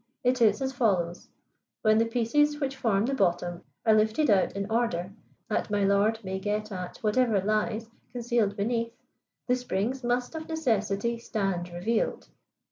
It is as follows: When the pieces which form the bottom are lifted out in order, that my lord may get at whatever lies concealed beneath, the springs must of necessity stand revealed.